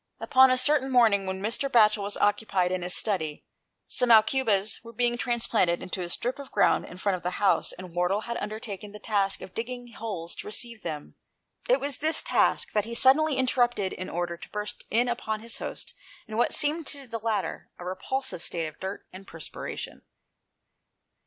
Upon a certain morning, when Mr. Batchel was occupied in his study, some aucubas were being transplanted into a strip of ground in front of the house, and Wardle had undertaken the task of digging holes to receive them. It was this task that he suddenly interrupted in order to burst in upon his host in what seemed to the latter a repulsive state of dirt and perspiration.